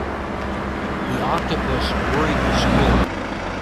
The octopus worried the squid.